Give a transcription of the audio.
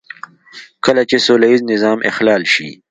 کله چې سوله ييز نظم اخلال شي.